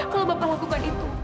kalau bapak lakukan itu